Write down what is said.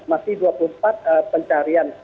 masih dua puluh empat pencarian